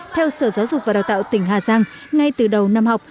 theo sở giáo dục và đào tạo tỉnh hà giang ngay từ đầu năm học